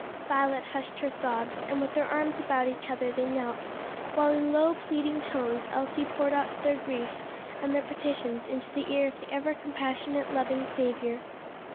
Violet hushed her sobs, and with their arms about each other they knelt, while in low, pleading tones Elsie poured out their grief and their petitions into the ear of the ever compassionate, loving Saviour.